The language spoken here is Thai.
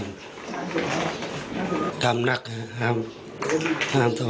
ฝ่ายกรเหตุ๗๖ฝ่ายมรณภาพกันแล้ว